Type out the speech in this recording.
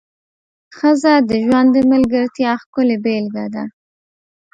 ښځه د ژوند د ملګرتیا ښکلې بېلګه ده.